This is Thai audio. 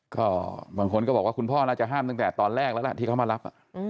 ก็บางคนก็บอกว่าคุณพ่อน่าจะห้ามตั้งแต่ตอนแรกแล้วล่ะที่เขามารับ